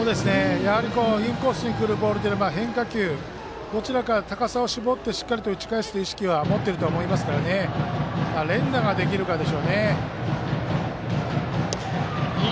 インコースにくるボール変化球、どちらか高さを絞ってしっかりと打ち返す意識は持っていると思いますから連打ができるかでしょうね。